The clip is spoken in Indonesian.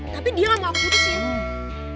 tapi dia gak mau putusin